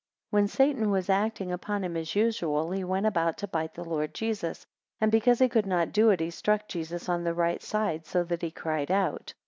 6 When Satan was acting upon him as usual, he went about to bite the Lord Jesus. 7 And because he could not do it, he struck Jesus on the right side, so that he cried out.